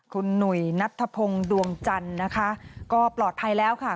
คุณหนุ่ยนัทธพงศ์ดวงจันทร์นะคะก็ปลอดภัยแล้วค่ะ